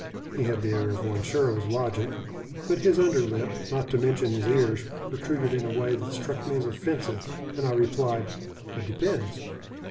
He had the air of one sure of his logic, but his under lip not to mention his ears protruded in a way that struck me as offensive, and I replied "That depends."